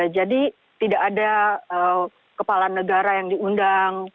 jadi tidak ada kepala negara yang diundang